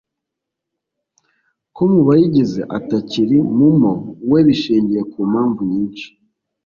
ko mu bayigize atakiri mu mo we bishingiye ku mpamvu nyinshi